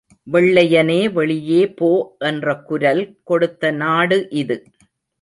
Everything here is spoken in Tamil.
வெள்ளையனே வெளியே போ என்ற குரல் கொடுத்த நாடு இது.